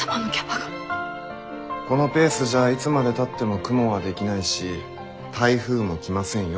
このペースじゃいつまでたっても雲は出来ないし台風も来ませんよ？